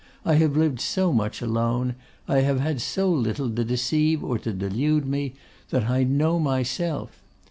I have lived so much alone, I have had so little to deceive or to delude me, that I know myself.